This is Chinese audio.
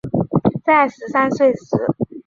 在十三岁时